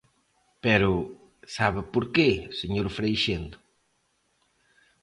Pero ¿sabe por que, señor Freixendo?